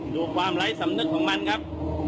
ดูความไร้สำนึกของมันครับ